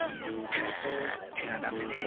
くーっ手が出せねえよ。